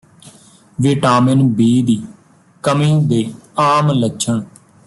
vitamin B ਦੀ ਕਮੀ ਦੇ ਆਮ ਲੱਛਣ